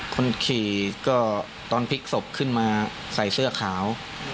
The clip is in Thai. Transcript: คนขี่ก็ตอนพลิกศพขึ้นมาใส่เสื้อขาว